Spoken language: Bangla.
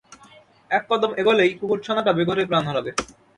এক কদম এগোলেই, কুকুরছানাটা বেঘোরে প্রাণ হারাবে।